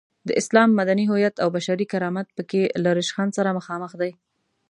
د اسلام مدني هویت او بشري کرامت په کې له ریشخند سره مخامخ دی.